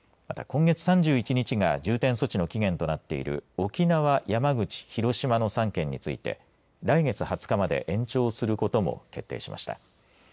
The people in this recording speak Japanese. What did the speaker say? また、今月３１日が重点措置の期限となっている沖縄、山口、広島の３県について来月２０日まで延長することも決定しました。